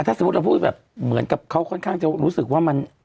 ถ้าสมมุติเราพูดแบบเหมือนกับเขาค่อนข้างจะรู้สึกว่ามัน